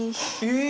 え！